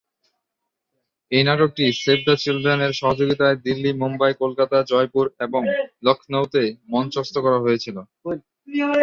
এই নাটকটি "Save the Children" এর সহযোগিতায় দিল্লি, মুম্বই, কলকাতা, জয়পুর এবং লখনউতে মঞ্চস্থ করা হয়েছিল।